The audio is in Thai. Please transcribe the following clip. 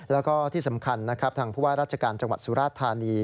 แล้วก็ที่สำคัญนะครับทางผู้ว่าราชการจังหวัดสุราชธานี